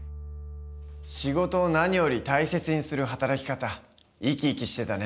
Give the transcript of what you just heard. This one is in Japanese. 仕事を何より大切にする働き方生き生きしてたね。